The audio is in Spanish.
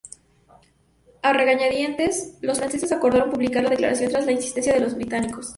A regañadientes, los franceses acordaron publicar la declaración tras la insistencia de los británicos.